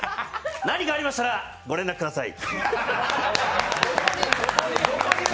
何かありましたら、ご連絡ください